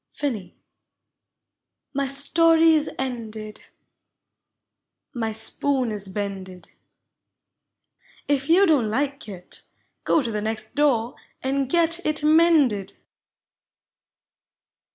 FINIS. Mv storv 's ended, My spoon is bended : If von don't like it, (Jo to the next door And got it mended.